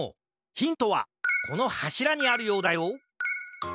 ヒントはこのはしらにあるようだよ